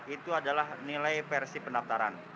itu adalah nilai versi pendaftaran